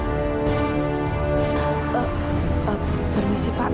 pasti tahu saya nolak karena kanjur